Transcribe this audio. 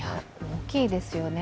大きいですよね。